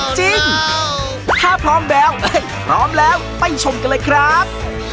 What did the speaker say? ช่องแคลฟทวีส๓๒นะครับ